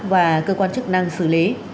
và cơ quan chức năng xử lý